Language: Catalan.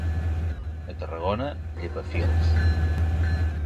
A Tarragona, llepafils.